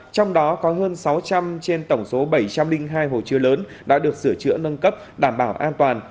trong đó có hơn sáu trăm linh trên tổng số bảy trăm linh hai hồ chứa lớn đã được sửa chữa nâng cấp đảm bảo an toàn